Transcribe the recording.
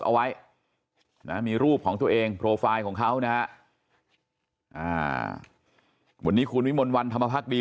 เอาไว้มีรูปของตัวเองโปรไฟล์ของเขานะวันนี้คุณวิมนต์วันธรรมพฤติ